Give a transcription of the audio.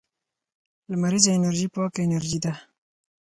لمریزه انرژي پاکه انرژي ده